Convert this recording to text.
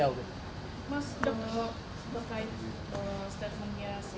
mas berkait statementnya si buram sendiri yang mengatakan bahwa dia tidak diaryai